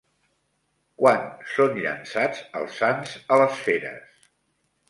Quan són llançats els sants a les feres?